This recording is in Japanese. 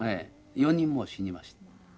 ４人も死にました。